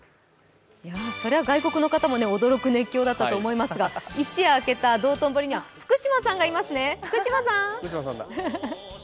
そりゃ外国人の方も驚く熱狂ぶりだったと思いますが、一夜明けた道頓堀には福島さんがいますね。